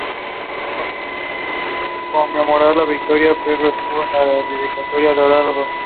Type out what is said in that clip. Para conmemorar esta victoria, Pirro escribió una dedicatoria en el oráculo de Dodona.